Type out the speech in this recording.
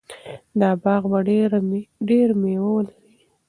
دا باغ به ډېر مېوه ولري.